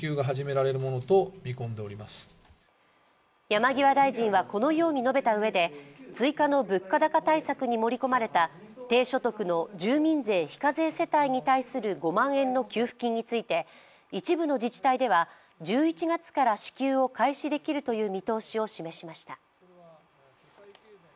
山際大臣はこのように述べたうえで追加の物価高対策に盛り込まれた低所得の住民税非課税世帯に対する５万円の給付金について一部の自治体では、１１月から支給を開始できるという見通しを示しました。